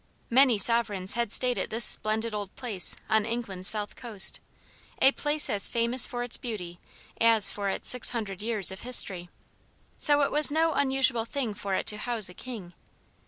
Many sovereigns had stayed at this splendid old place on England's south coast a place as famous for its beauty as for its six hundred years of history; so it was no unusual thing for it to house a king.